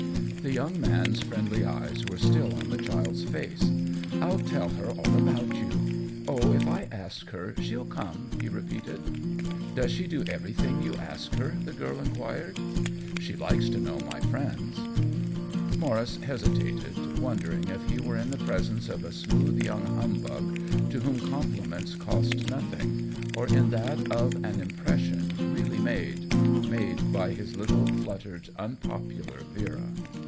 The young man's friendly eyes were still on the child's face. " I'll tell her all about you. Oh, if I ask her, she'll come !" he re peated. " Does she do everything you ask her ?'* the girl inquired. " She likes to know my friends 1" Maurice hesitated, wondering if he were in the presence of a smooth young hum bug to whom compliments cost nothing, or in that of an impression really made — made by his little, fluttered, unpopular Vera.